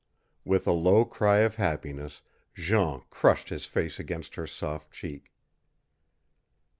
With a low cry of happiness Jean crushed his face against her soft cheek.